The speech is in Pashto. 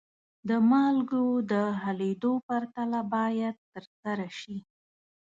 د مالګو د حلیدو پرتله باید ترسره شي.